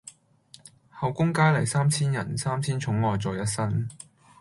后宮佳麗三千人，三千寵愛在一身。